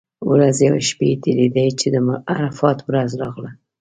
ورځې او شپې تېرېدې چې د عرفات ورځ راغله.